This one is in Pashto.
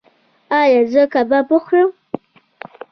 ایا زه کباب وخورم؟